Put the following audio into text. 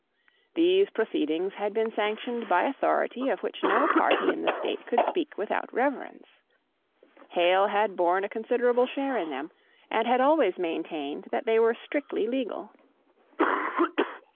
These proceedings had been sanctioned by authority of which no party in the state could speak without reverence. Hale had borne a considerable share in them, and had always maintained that they were strictly legal.